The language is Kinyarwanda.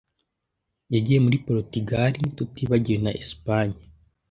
Yagiye muri Porutugali, tutibagiwe na Espagne.